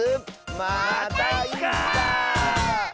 またいつか！